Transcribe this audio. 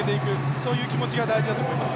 そういう気持ちが大事だと思います。